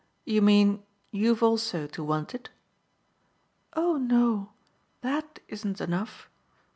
"You mean you've also to want it?" "Oh no THAT isn't enough.